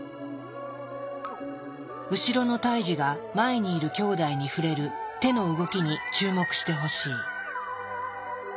後ろの胎児が前にいるきょうだいに触れる手の動きに注目してほしい。